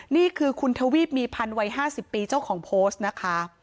นี่คือคุณทวีปมีพันธ์วัย๕๐ปีเจ้าของโพสต์นะคะ